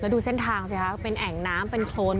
พูดถึงการให้ชีวิตหน่อย๓วันเป็นยังไงบ้างครับ